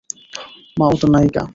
মা - ও তো নায়িকা।